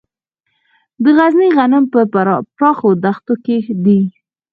د غزني غنم په پراخو دښتو کې دي.